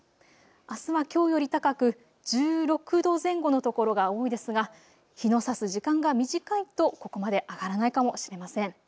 あすはきょうより高く１６度前後の所が多いですが、日のさす時間が短いとここまで上がらないかもしれません。